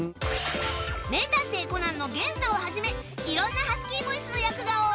『名探偵コナン』の元太をはじめ色んなハスキーボイスの役が多い高木さん